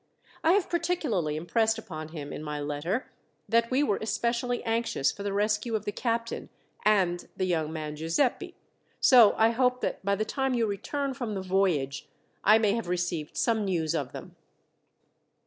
I have particularly impressed upon him, in my letter, that we were especially anxious for the rescue of the captain, and the young man Giuseppi, so I hope that by the time you return from the voyage, I may have received some news of them."